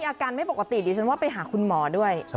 อาการไม่ปกติดิฉันว่าไปหาคุณหมอด้วย